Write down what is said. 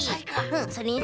うんそれにさ